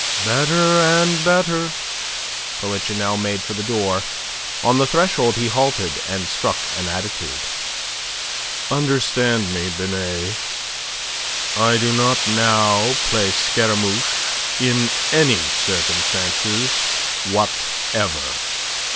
"Better and better." Polichinelle made for the door. On the threshold he halted and struck an attitude. "Understand me, Binet. I do not now play Scaramouche in any circumstances whatever."